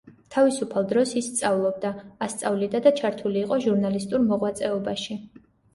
თავისუფალ დროს ის სწავლობდა, ასწავლიდა და ჩართული იყო ჟურნალისტურ მოღვაწეობაში.